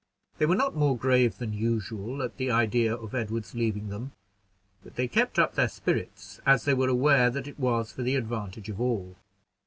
They were not more grave than usual at the idea of Edward's leaving them; but they kept up their spirits, as they were aware that it was for the advantage of all.